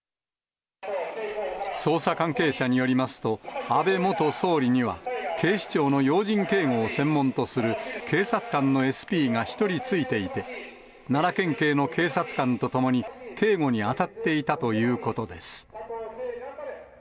捜査関係者によりますと、安倍元総理には、警視庁の要人警護を専門とする警察官のＳＰが１人ついていて、奈良県警の警察官と共に、警護に当たっていたということです。